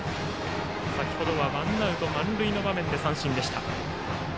先程はワンアウト満塁の場面で三振でした。